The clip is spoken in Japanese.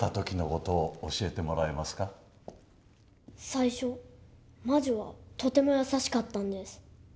最初魔女はとても優しかったんです。